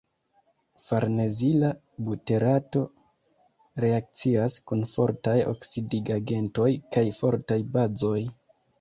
Farnezila buterato reakcias kun fortaj oksidigagentoj kaj fortaj bazoj.